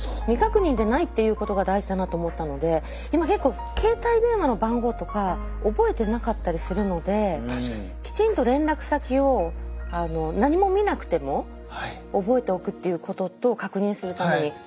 未確認でないっていうことが大事だなと思ったので今結構携帯電話の番号とか覚えてなかったりするのできちんと連絡先を何も見なくても覚えておくっていうことと確認するために。